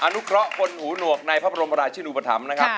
นุเคราะห์บนหูหนวกในพระบรมราชินุปธรรมนะครับ